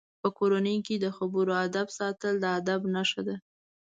په کورنۍ کې د خبرو آدب ساتل د ادب نښه ده.